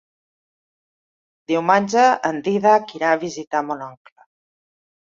Diumenge en Dídac irà a visitar mon oncle.